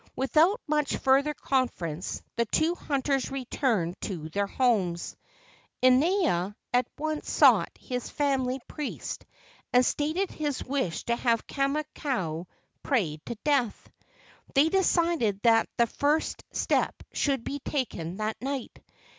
Without much further conference the two hunters returned to their homes. Inaina at once sought his family priest and stated his wish to have Kamakau prayed to death. They decided that the first step should be taken that night.